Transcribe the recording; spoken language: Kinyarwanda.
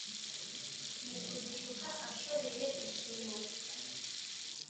mu kugishuka ashoreye ishimo.